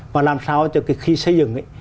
và làm sao cho cái khi xây dựng